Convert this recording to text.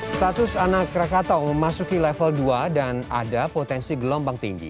status anak krakatau memasuki level dua dan ada potensi gelombang tinggi